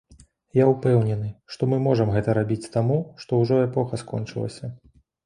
Я ўпэўнены, што мы можам гэта рабіць таму, што ўжо эпоха скончылася.